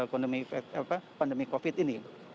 apalagi dalam situasi pandemi covid ini